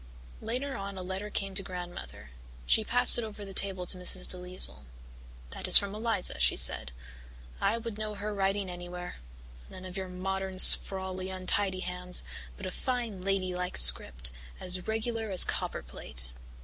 Later on a letter came to Grandmother; she passed it over the table to Mrs. DeLisle. "That is from Eliza," she said. "I would know her writing anywhere none of your modern sprawly, untidy hands, but a fine lady like script, as regular as copperplate.